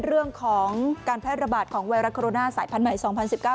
เรื่องของการแพร่ระบาดของไวรัสโคโรนาสายพันธุใหม่สองพันสิบเก้า